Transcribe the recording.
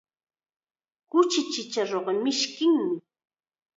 Kuchi chacharunqa mishkiykunmi.